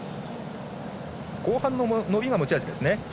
後半の伸びが持ち味ですね。